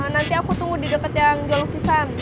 nanti aku tunggu di dekat yang jual lukisan